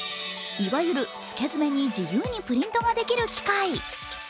いわゆるつけ爪に自由にプリントができる機械。